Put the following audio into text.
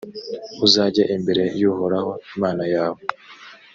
uzajye imbere y’uhoraho imana yawe,